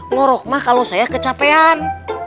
ngorok kalau saya kecapean